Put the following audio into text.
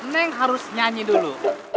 neng harus nyanyi dulu